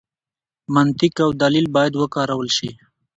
منطق او دلیل باید وکارول شي.